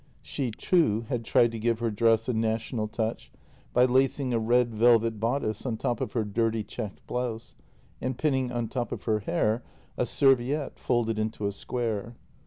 She, too, had tried to give her dress a national touch by lacing a red velvet bodice on top of her dirty checked blouse, and pin ning on top of her hair a serviette folded into a square.